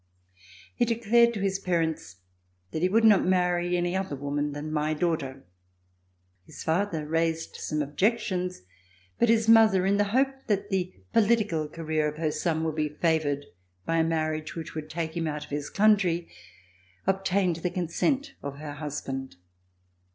He declared to his parents that he would not marry any other woman than my daughter. His father raised some objections, but his mother in the hope that the political career of her son would be favored by a marriage which would take him out of his country, obtained the consent of her husband.